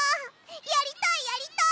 やりたいやりたい！